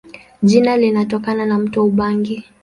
Jina linatokana na mto Ubangi.